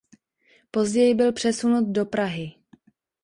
Později byl přesunut do Prahy.